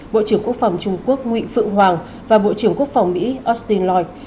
bộ trưởng quốc phòng trung quốc nguyễn phượng hoàng và bộ trưởng quốc phòng mỹ austin loi